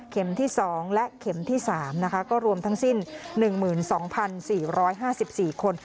ที่๒และเข็มที่๓นะคะก็รวมทั้งสิ้น๑๒๔๕๔คน